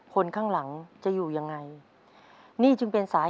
ก่อนนะงั้นน่ะมาเอานั้นมา